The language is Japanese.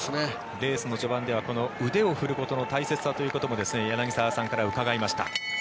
レースの序盤では腕を振ることの大切さということも柳澤さんから伺いました。